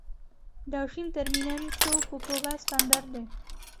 Dalším termínem jsou popové standardy.